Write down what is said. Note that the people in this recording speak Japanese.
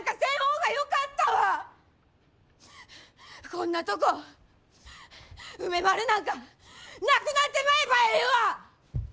こんなとこ梅丸なんかなくなってまえばええわ！